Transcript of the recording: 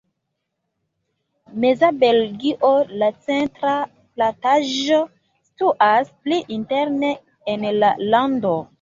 Meza Belgio, la centra plataĵo, situas pli interne en la lando.